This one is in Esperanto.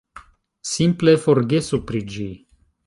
Simple forgesu pri ĝi!